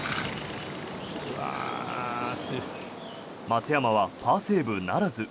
松山はパーセーブならず。